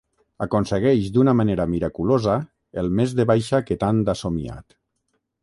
Aconsegueix d'una manera miraculosa el mes de baixa que tant ha somiat.